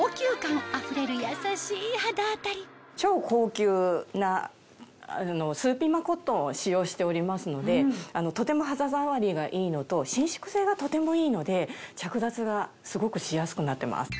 超高級なスーピマコットンを使用しておりますのでとても肌触りがいいのと伸縮性がとてもいいので着脱がすごくしやすくなってます。